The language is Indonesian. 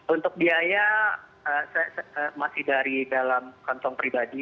untuk biaya saya masih dari dalam kantong pribadi